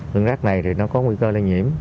hương rác này thì nó có nguy cơ lây nhiễm